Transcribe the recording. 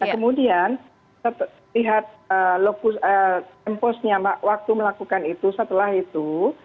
kemudian lihat temposnya waktu melakukan itu setelah itu